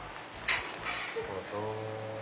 どうぞ。